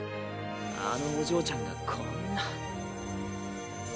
あのお嬢ちゃんがこんな。